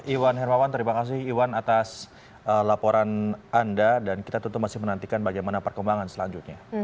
iwan hermawan terima kasih iwan atas laporan anda dan kita tentu masih menantikan bagaimana perkembangan selanjutnya